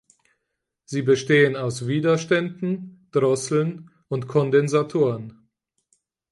Sie bestehen aus Widerständen, Drosseln und Kondensatoren.